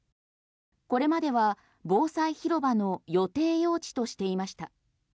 これまでは防災広場の予定用地としていました。